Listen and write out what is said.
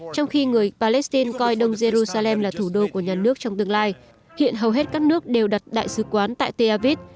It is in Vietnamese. trong khi người palestine coi đông jerusalem là thủ đô của nhà nước trong tương lai hiện hầu hết các nước đều đặt đại sứ quán tại teavit